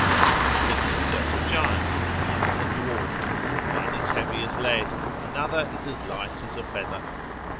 One thinks himself a giant, another a dwarf. One is heavy as lead, another is as light as a feather.